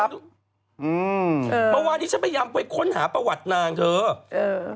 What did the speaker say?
เพราะว่านี้ฉันพยายามไปค้นหาประวัตินางเถอะ